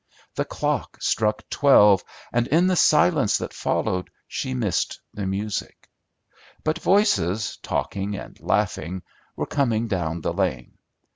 The clock struck twelve, and in the silence that followed she missed the music; but voices talking and laughing were coming down the lane.